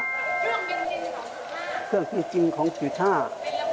ครับเครื่องกิจจิ้มของอยู่ข้าง